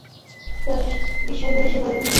তাঁর বিস্ময়ের সীমা রইল না।